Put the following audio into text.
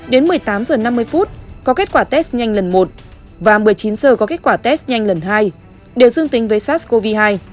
đến một mươi tám h năm mươi có kết quả test nhanh lần một và một mươi chín giờ có kết quả test nhanh lần hai đều dương tính với sars cov hai